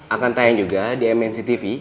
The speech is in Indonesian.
akan tayang juga di mnc tv